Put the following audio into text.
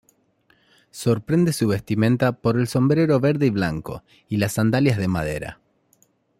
Sorprende su vestimenta por el sombrero verde y blanco y las sandalias de madera.